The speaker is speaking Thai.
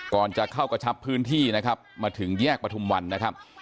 จะเข้ากระชับพื้นที่นะครับมาถึงแยกประทุมวันนะครับ